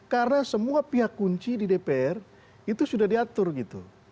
karena semua pihak kunci di dpr itu sudah diatur gitu